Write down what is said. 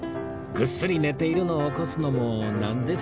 ぐっすり寝ているのを起こすのもなんですしね